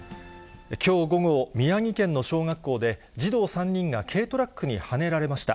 きょう午後、宮城県の小学校で、児童３人が軽トラックにはねられました。